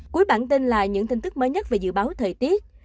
cuối bản tin là những tin tức mới nhất về dự báo thời tiết